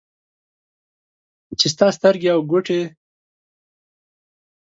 چې ستا سترګې او ګوټې